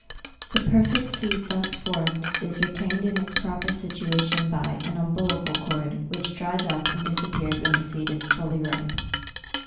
The perfect seed thus formed, is retained in its proper situation by an umbilical cord, which dries up and disappears when the seed is fully ripe.